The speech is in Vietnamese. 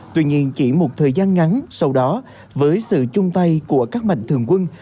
tuy nhiên chỉ một thời gian ngắn sau đó với sự chung tay của các mạnh thường quân